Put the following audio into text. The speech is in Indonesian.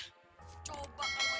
kamu juga udah komentar